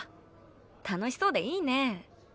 楽しそうでいいねえ。